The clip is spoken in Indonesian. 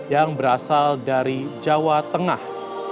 yang berasal dari jawa tengah